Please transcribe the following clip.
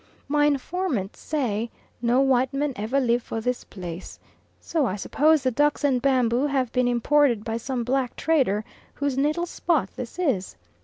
My informants say, "No white man ever live for this place," so I suppose the ducks and bamboo have been imported by some black trader whose natal spot this is.